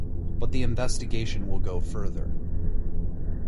But the investigation will go further.